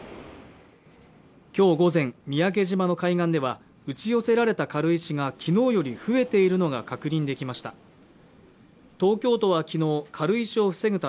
今日午前、三宅島の海岸では打ち寄せられた軽石が昨日より増えているのが確認できました。